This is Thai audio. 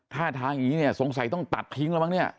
ท่าทางงี้เนี่ยสงสัยต้องตัดขิงแล้วค่ะเนี่ย